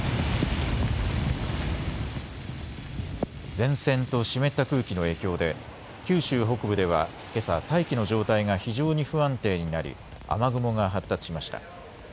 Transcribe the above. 前線と湿った空気の影響で九州北部ではけさ、大気の状態が非常に不安定になり雨雲が発達しました。